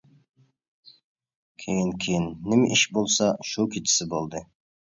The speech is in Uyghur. كېيىن، كېيىن، نېمە ئىش بولسا شۇ كېچىسى بولدى.